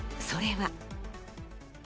それは。